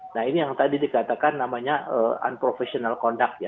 nah ini yang tadi dikatakan namanya unprofessional conduct ya